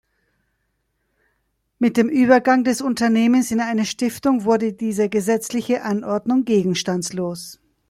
Mit dem Übergang des Unternehmens in eine Stiftung wurde diese gesetzliche Anordnung gegenstandslos.